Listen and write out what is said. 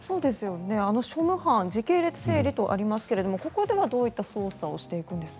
庶務班時系列整理とありますがここではどういった捜査をしていくんですか。